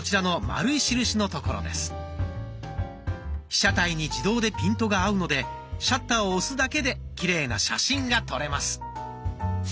被写体に自動でピントが合うのでシャッターを押すだけできれいな写真が撮れます。